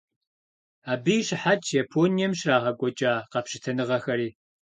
Абы и щыхьэтщ Японием щрагъэкӀуэкӀа къэпщытэныгъэхэри.